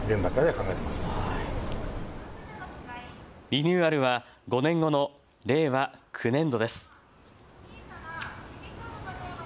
リニューアルは５年後の令和９年度です。